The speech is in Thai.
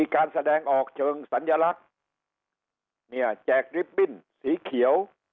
การแสดงออกเชิงสัญลักษณ์เนี่ยแจกลิฟตบิ้นสีเขียว